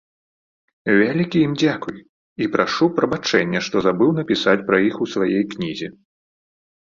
Вялікі ім дзякуй, і прашу прабачэння, што забыў напісаць пра іх у сваёй кнізе.